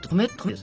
で。